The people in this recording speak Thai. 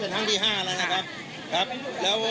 ครั้งนี้เป็นครั้งที่๕แล้วครับ